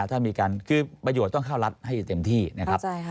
ถ้ามีการคือประโยชน์ต้องเข้ารัฐให้เต็มที่นะครับ